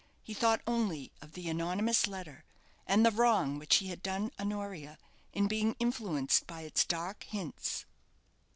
He thought only of the anonymous letter, and the wrong which he had done Honoria in being influenced by its dark hints.